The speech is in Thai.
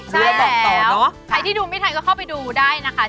ใช่บอกแล้วใครที่ดูไม่ทันก็เข้าไปดูได้นะคะ